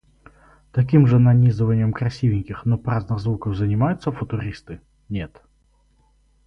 Таким же нанизыванием красивеньких, но праздных звуков занимаются футуристы? Нет.